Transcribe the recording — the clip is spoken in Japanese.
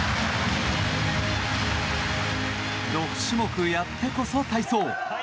６種目やってこそ、体操。